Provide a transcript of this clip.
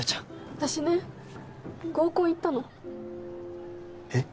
私ね合コン行ったのえっ？